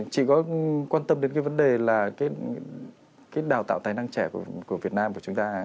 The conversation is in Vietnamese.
chị có quan tâm đến cái vấn đề là cái đào tạo tài năng trẻ của việt nam của chúng ta